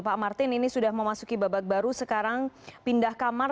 pak martin ini sudah memasuki babak baru sekarang pindah kamar